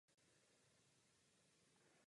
Naše myšlenky jsou s vámi.